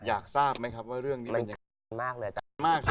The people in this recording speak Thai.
อยากทราบไหมครับว่าเรื่องนี้เป็นยังไงกันมากเลยอาจารย์